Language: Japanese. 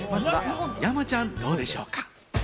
山ちゃん、うでしょうか？